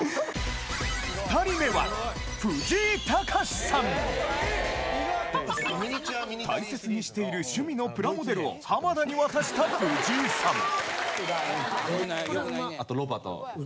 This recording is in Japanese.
２人目は大切にしている趣味のプラモデルを浜田に渡した藤井さん良くない良くないね。